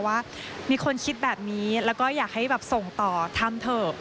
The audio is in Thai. ว่ามีคนคิดแบบนี้แล้วก็อยากให้แบบส่งต่อทำเถอะ